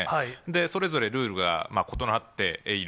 それぞれルールが異なっている。